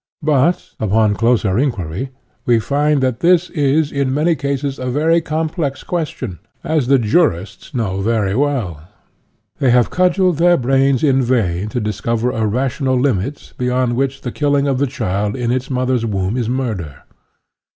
But, upon closer inquiry, we find that this is, in many cases, a very complex question, as the jurists know very well. They have cudgelled their brains in vain to discover a rational limit beyond which the killing of the child in its mother's womb is murder.